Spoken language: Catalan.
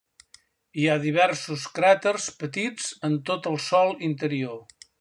Hi ha diversos cràters petits en tot el sòl interior.